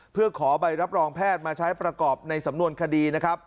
เพื่อขอใบรับรองแพทย์มาใช้ประกอบในสำนวนคดีนะครับ